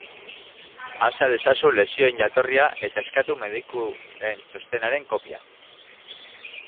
Azal ezazu lesioen jatorria eta eskatu medikuen txostenaren kopia.